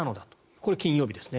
これは金曜日ですね。